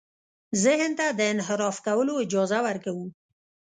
ذهن ته د انحراف کولو اجازه ورکوو.